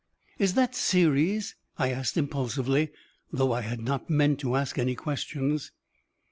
"Is that Sirius?" I asked impulsively, though I had not meant to ask any questions.